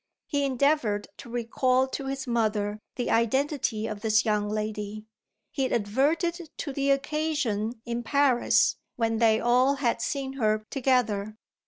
He endeavoured to recall to his mother the identity of this young lady, he adverted to the occasion in Paris when they all had seen her together.